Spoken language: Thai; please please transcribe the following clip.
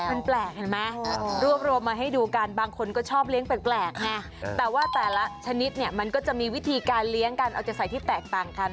มันแปลกเห็นไหมรวบรวมมาให้ดูกันบางคนก็ชอบเลี้ยงแปลกไงแต่ว่าแต่ละชนิดเนี่ยมันก็จะมีวิธีการเลี้ยงกันเอาจะใส่ที่แตกต่างกัน